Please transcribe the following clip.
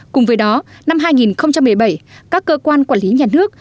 cùng với đó năm hai nghìn một mươi bảy các cơ quan quản lý nhà nước